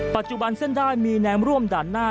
ปัจจุบันเส้นได้มีแนมร่วมด่านหน้า